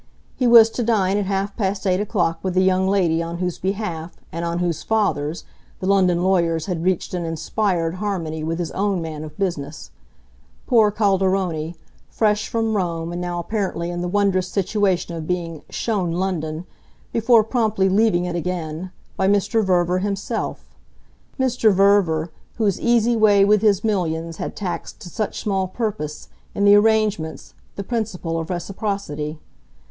He was to dine at half past eight o'clock with the young lady on whose behalf, and on whose father's, the London lawyers had reached an inspired harmony with his own man of business, poor Calderoni, fresh from Rome and now apparently in the wondrous situation of being "shown London," before promptly leaving it again, by Mr. Verver himself, Mr. Verver whose easy way with his millions had taxed to such small purpose, in the arrangements, the principle of reciprocity.